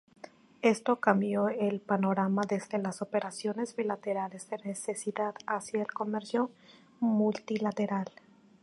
Esto cambió el panorama desde las operaciones bilaterales de necesidad hacia el comercio multilateral.